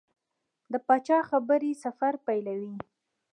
د پاچا خبرې سفر پیلوي.